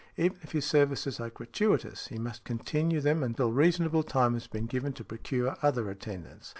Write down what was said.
Even if his services are gratuitous, he must continue them until reasonable time has been given to procure other attendance.